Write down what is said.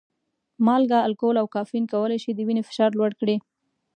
مالګه، الکول او کافین کولی شي د وینې فشار لوړ کړي.